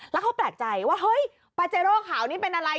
แล้วเขาแปลกใจว่าเฮ้ยปาเจโร่ขาวนี้เป็นอะไร